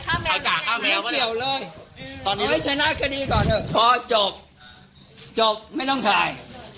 ค่ะไม่เกี่ยวเลยเอาไว้ใช้หน้าคดีก่อนด้วยพอจบจบไม่ต้องถ่าย